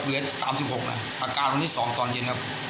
เหลือสามสิบหกนะอาการวันนี้สองตอนเย็นครับ